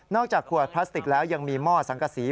จากขวดพลาสติกแล้วยังมีหม้อสังกษี